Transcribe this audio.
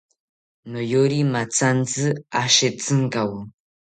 Noyori mathantzi ashetzinkawo